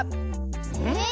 えっ？